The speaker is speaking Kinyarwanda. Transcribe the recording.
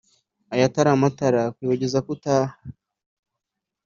Ayatara matara akwibagiza ko utaha